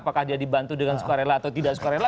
apakah dia dibantu dengan suka rela atau tidak suka rela